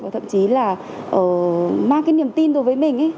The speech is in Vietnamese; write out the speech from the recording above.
thậm chí là mang cái niềm tin đối với mình ấy